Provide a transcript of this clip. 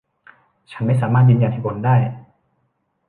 ฉันไม่สามารถยืนยันเหตุผลได้